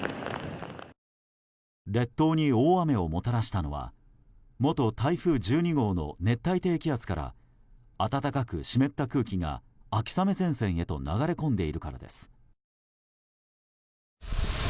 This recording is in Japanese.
列島に大雨をもたらしたのは元台風１２号の熱帯低気圧から暖かく湿った空気が秋雨前線へと流れ込んでいるからです。